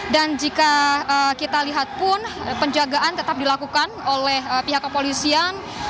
dan jika kita lihat pun penjagaan tetap dilakukan oleh pihak kepolisian